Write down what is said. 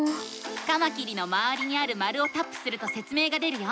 カマキリのまわりにある丸をタップするとせつ明が出るよ。